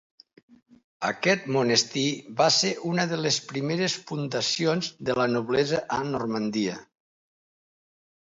Aquest monestir va ser una de les primeres fundacions de la noblesa a Normandia.